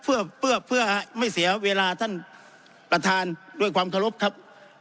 เพื่อเพื่อไม่เสียเวลาท่านประธานด้วยความเคารพครับ